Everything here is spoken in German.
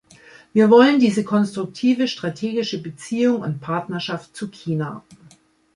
Wir wollen diese konstruktive strategische Beziehung und Partnerschaft zu China.